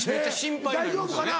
大丈夫かな？